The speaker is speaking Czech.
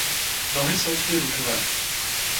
Nohy jsou vždy růžové.